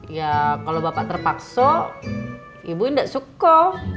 ya kalau bapak terpaksa ibu tidak suka